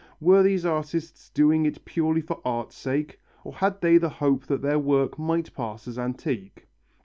Were these artists doing it purely for art's sake, or had they the hope that their work might pass as antique?